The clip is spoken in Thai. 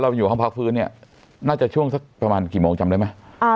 อยู่ห้องพักฟื้นเนี่ยน่าจะช่วงสักประมาณกี่โมงจำได้ไหม